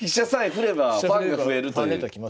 ファンが増えるという。